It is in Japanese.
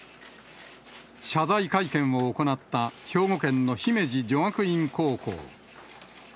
謝罪会見を行った、兵庫県の姫路女学院高校。